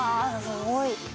すごい！